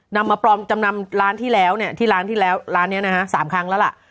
นำมาปลอมจำนำร้านที่แล้วร้านนี้นะฮะ๓ครั้งแล้วล่ะ